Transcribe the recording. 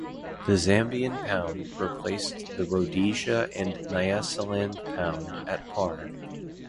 The Zambian pound replaced the Rhodesia and Nyasaland pound at par.